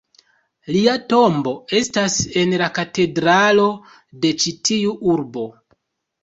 Lia tombo estas en la katedralo de ĉi tiu urbo.